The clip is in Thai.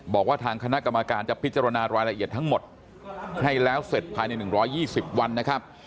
บอกว่าทางคณะกรรมการจะพิจารณารายละเอียดทั้งหมดให้แล้วเสร็จภายใน๑๒๐วันนะครับ